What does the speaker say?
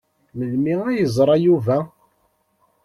Melmi ay yeẓra Yuba?